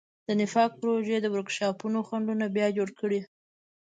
د نفاق پروژو د ورکشاپونو خنډونه بیا جوړ کړي.